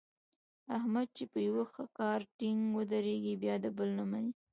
احمد چې په یوه کار ټینګ ودرېږي بیا د بل نه مني.